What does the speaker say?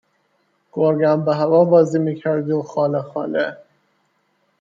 گرگم به هوا بازی می کردی و خاله خاله